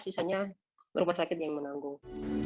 sisanya rumah sakit yang menanggung